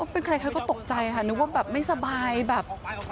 เป็นใครเขาตกใจค่ะนึกว่าแบบว่าเหมือนไม่สบายแบบ